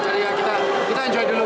jadi kita enjoy dulu